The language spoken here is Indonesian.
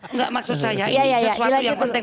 enggak maksud saya ini sesuatu yang penting